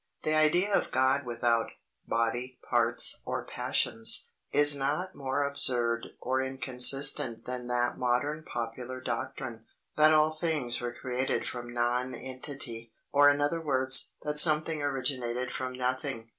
The idea of a God without "body, parts, or passions," is not more absurd or inconsistent than that modern popular doctrine, that all things were created from nonentity, or in other words, that something originated from nothing.